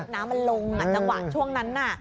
น้ำมันลงจังหวะช่วงนั้นน่ะ